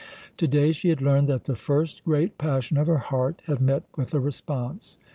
Today she had learned that the first great passion of her heart had met with a response.